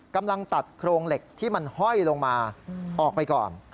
กำลังตัดโครงเหล็กที่มันห้อยลงมาออกไปก่อน